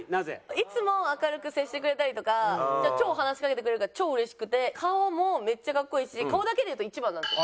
いつも明るく接してくれたりとか超話しかけてくれるから超うれしくて顔もめっちゃ格好いいし顔だけでいうと１番なんですよ。